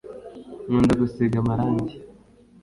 nkunda gusiga amarangi